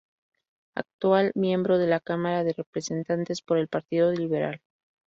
Actual miembro de la Cámara de Representantes, por el Partido Liberal.